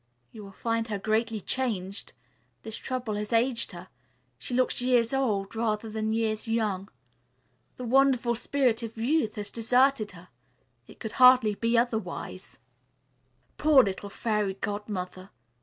You will find her greatly changed. This trouble has aged her. She looks 'years old,' rather than 'years young.' That wonderful spirit of youth has deserted her. It could hardly be otherwise." "Poor little Fairy Godmother!"